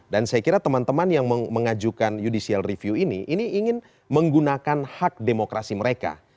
dan saya kira teman teman yang mengajukan judicial review ini ini ingin menggunakan hak demokrasi mereka